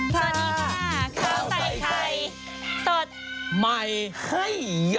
สวัสดีค่ะข้าวใส่ไข่สดใหม่ให้เยอะ